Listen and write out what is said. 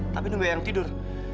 tapi nunggu yang tidur